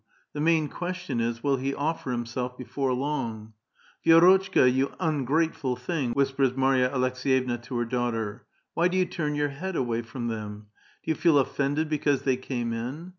The main ques tion is, will he offer himself before long? " Vi^rotchka, you ungrateful thing !" whispers Marya Aleks^yevna to her daughter; "why do you turn your head awa}' from them ? Do you feel offended because they came in?